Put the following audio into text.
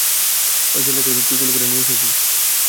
ওই ছেলেটাকে তুই কোলে করে নিয়ে এসেছিস?